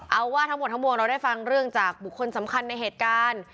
เอาว่าทั้งหมดทั้งมวลเราได้ฟังเรื่องจากบุคคลสำคัญในเหตุการณ์